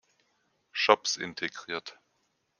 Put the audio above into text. Shops integriert.